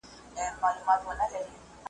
هغه وطن مي راته تنور دی `